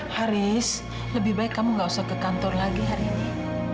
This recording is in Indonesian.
haris lebih baik kamu gak usah ke kantor lagi hari ini